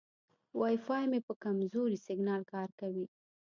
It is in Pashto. وای فای مې په کمزوري سیګنال کار کوي.